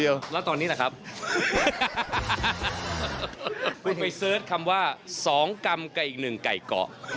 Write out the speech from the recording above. นี้เป็นครั้งแรก